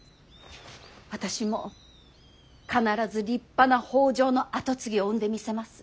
私も必ず立派な北条の跡継ぎを産んでみせます。